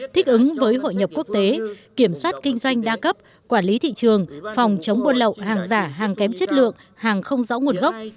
thích ứng với hội nhập quốc tế kiểm soát kinh doanh đa cấp quản lý thị trường phòng chống buôn lậu hàng giả hàng kém chất lượng hàng không rõ nguồn gốc